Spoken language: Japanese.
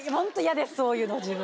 そういうの自分。